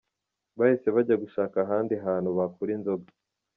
Bahise bajya gushaka ahandi hantu bakura inzoga.